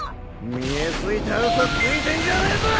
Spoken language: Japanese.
見え透いたウソついてんじゃねえぞ！